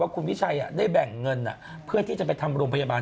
คุณวิชัยได้แบ่งเงินเพื่อที่จะไปทำโรงพยาบาล